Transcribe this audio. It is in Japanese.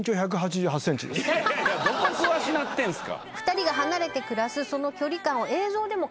いやいやどこ詳しなってんすか。